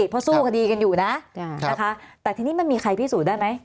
เพราะสู้คดีกันอยู่นะนะคะแต่ทีนี้มันมีใครพิสูจนได้ไหม